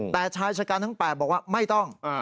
แต่ชายชะกันทั้ง๘บอกว่าไม่ต้อง